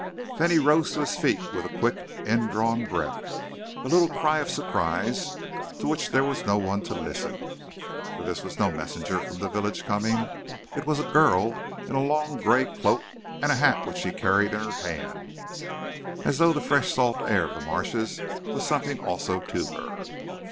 Then he rose to his feet with a quick indrawn breath a little cry of surprise to which there was no one to listen. For this was no messenger from the village coming. It was a girl in a long gray cloak, and a hat which she carried in her hand, as though the fresh salt air of the marshes was something also to her.